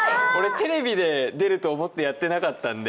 テレビで出ると思ってやってなかったので。